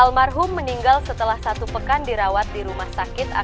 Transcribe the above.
almarhum meninggal setelah satu pekan dirawat di rumah sakit